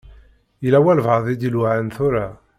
Yella walebɛaḍ i d-iluɛan tura.